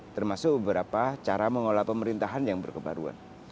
termasuk beberapa cara mengolah pemerintahan yang berkebaruan